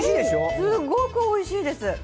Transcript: すごくおいしいです！